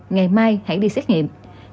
ngày mai hãy đi xét nghiệm